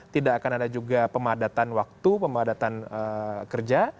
tidak akan ada juga pemadatan waktu pemadatan kerja